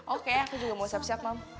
oke aku juga mau siap siap